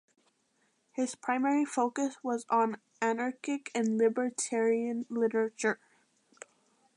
His primary focus was on anarchic and libertarian literature.